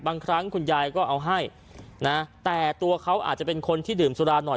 บางครั้งคุณยายก็เอาให้นะแต่ตัวเขาอาจจะเป็นคนที่ดื่มสุราหน่อย